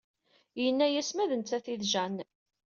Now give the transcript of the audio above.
Yenna-yas ma d nettat i d Jane.